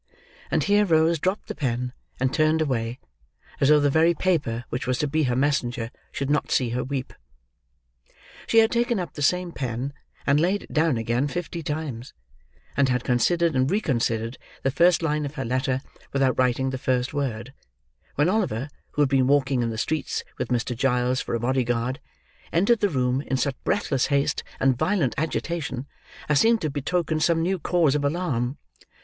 And here Rose dropped the pen, and turned away, as though the very paper which was to be her messenger should not see her weep. She had taken up the same pen, and laid it down again fifty times, and had considered and reconsidered the first line of her letter without writing the first word, when Oliver, who had been walking in the streets, with Mr. Giles for a body guard, entered the room in such breathless haste and violent agitation, as seemed to betoken some new cause of alarm.